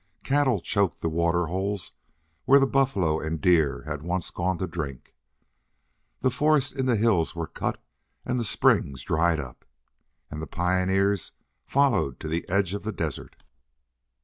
Cattle choked the water holes where the buffalo and deer had once gone to drink. The forests in the hills were cut and the springs dried up. And the pioneers followed to the edge of the desert.